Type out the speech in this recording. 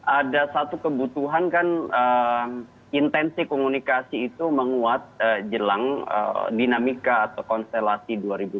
ada satu kebutuhan kan intensi komunikasi itu menguat jelang dinamika atau konstelasi dua ribu dua puluh